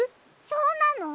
そうなの？